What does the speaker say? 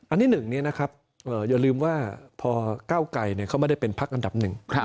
ที่๑นี้นะครับอย่าลืมว่าพอก้าวไกรเขาไม่ได้เป็นพักอันดับหนึ่ง